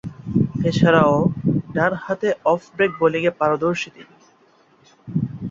এছাড়াও, ডানহাতে off break বোলিংয়ে পারদর্শী তিনি।